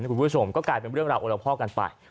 คุณผู้ชมก็กลายเป็นเรื่องราวโอละพ่อกันไป